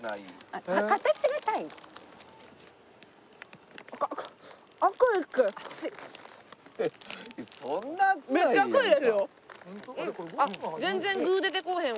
あっ全然具出てこうへんわ頭の方。